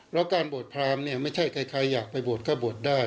แล้วการบวชพรามเนี่ยไม่ใช่ใครอยากไปบวชก็บวชได้